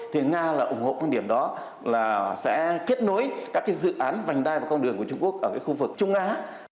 thì nga lại ủng hộ quan điểm đó là sẽ kết nối các dự án vành đai và con đường của trung quốc ở khu vực trung á